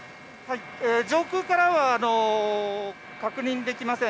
上空からは確認できません。